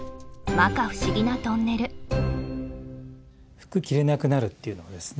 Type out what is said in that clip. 服が着れなくなるっていうのはですね